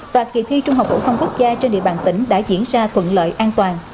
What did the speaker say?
và kỳ thi trung học phổ thông quốc gia trên địa bàn tỉnh đã diễn ra thuận lợi an toàn